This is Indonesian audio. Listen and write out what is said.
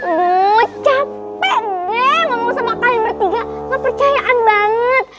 hmm capek deh ngomong sama kalian bertiga kepercayaan banget